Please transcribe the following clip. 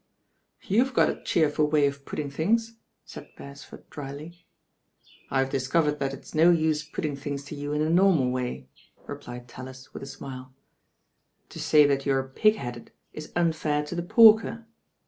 "You've got a cheerful way of putting things.'* •aid Beresford drily. "I've discovered that it's no use putting things to you m the normal way," replied Tallis with a smile. To say that you are pig headed is unfair to the porker.